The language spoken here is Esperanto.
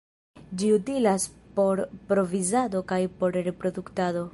Ĝi utilas por provizado kaj por reproduktado.